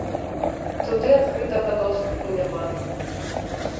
Туды адкрытага доступу няма.